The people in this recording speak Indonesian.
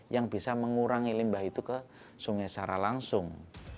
yang bisa mengurangi limbah itu ke sungai secara langsung